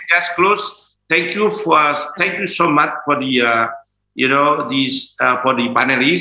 terima kasih banyak banyak untuk panelis